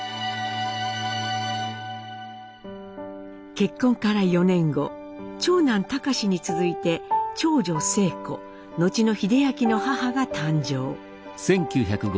結婚から４年後長男隆に続いて長女晴子後の英明の母が誕生。